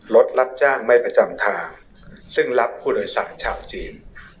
รับจ้างไม่ประจำทางซึ่งรับผู้โดยสารชาวจีน